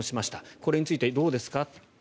これについて、どうですか。